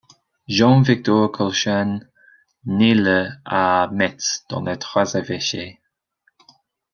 Jean-Victor Colchen naît le à Metz dans les Trois-Évêchés.